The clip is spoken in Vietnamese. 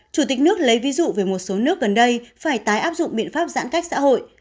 chủ tịch nước lấy ví dụ về một số nước gần đây phải tái áp dụng biện pháp giãn cách xã hội